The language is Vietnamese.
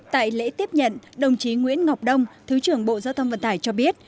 tại lễ tiếp nhận đồng chí nguyễn ngọc đông thứ trưởng bộ giao thông vận tải cho biết